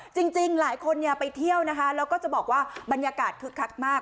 จริงหลายคนไปเที่ยวนะคะแล้วก็จะบอกว่าบรรยากาศคึกคักมาก